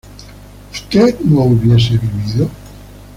¿usted no hubiese vivido?